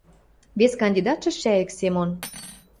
— Вес кандидатшы Шӓйӹк Семон.